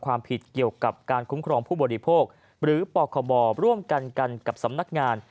ความผิดเกี่ยวกับการคุ้มครองผู้บริโภคหรือปคบร่วมกันกันกับสำนักงาน